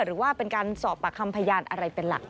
หรือว่าเป็นการสอบปากคำพยานอะไรเป็นหลัก